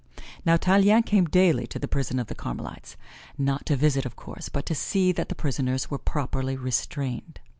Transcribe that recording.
Now, Tallien came daily to the prison of the Carmelites, not to visit of course, but to see that the prisoners were properly restrained.